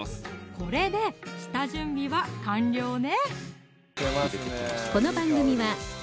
これで下準備は完了ね